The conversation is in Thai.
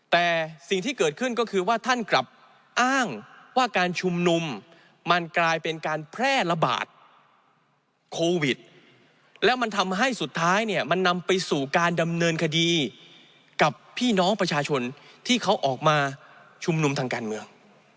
แต่สิ่งที่เกิดขึ้นก็คือว่าท่านกลับอ้างว่าการชุมนุมมันกลายเป็นการแพร่ระบาดโควิดแล้วมันทำให้สุดท้ายเนี่ยมันนำไปสู่การดำเนินคดีกับพี่น้องประชาชนที่เขาออกมาชุมนุมทางการเมือง